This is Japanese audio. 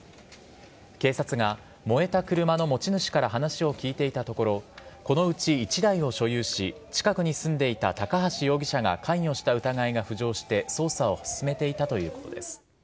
警察が燃えた車の持ち主から話を聞いていたところこのうち１台を所有し近くに住んでいた高橋容疑者が関与した疑いが浮上して捜査を進めていたということです。